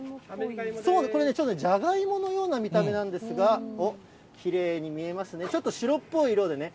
ちょうどじゃがいものような見た目なんですが、おっ、きれいに見えますね、ちょっと白っぽい色でね。